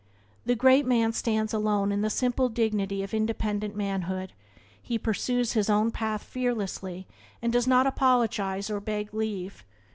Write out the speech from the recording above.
The great man stands alone in the simple dignity of independent manhood; he pursues his own path fearlessly, and does not apologize or "beg leave".